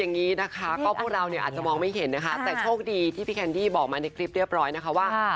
อย่างนี้นะคะก็พวกเราเนี่ยอาจจะมองไม่เห็นนะคะแต่โชคดีที่พี่แคนดี้บอกมาในคลิปเรียบร้อยนะคะว่า